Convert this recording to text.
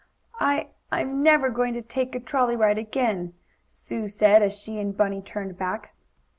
"I I'm never going to take a trolley ride again," Sue said, as she and Bunny turned back.